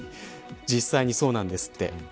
実際にそうなんですって。